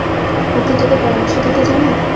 ও কি তোকে পরামর্শ দিতে জানে?